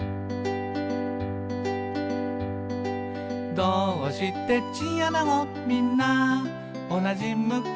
「どーうしてチンアナゴみんなおなじ向き？」